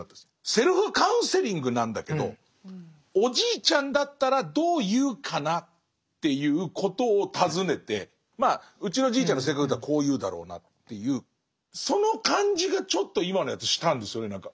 セルフカウンセリングなんだけど「おじいちゃんだったらどう言うかな？」っていうことを尋ねてまあうちのじいちゃんの性格だとこう言うだろうなっていうその感じがちょっと今のやつしたんですよね何か。